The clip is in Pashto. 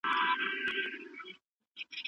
بيا به نعرې وهې چې شر دی، زما زړه پر لمبو